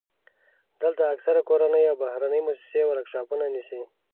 دلته اکثره کورنۍ او بهرنۍ موسسې ورکشاپونه نیسي.